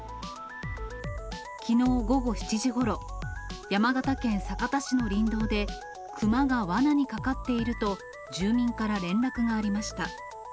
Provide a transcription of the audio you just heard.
きのう午後７時ごろ、山形県酒田市の林道で、クマがわなにかかっていると、住民から連絡がありました。